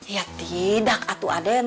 ya tidak aduh aden